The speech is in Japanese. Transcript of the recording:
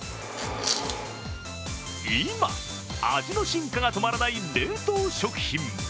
今、味の進化が止まらない冷凍食品。